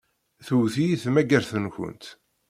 Tewwet-iyi tmagart-nkent.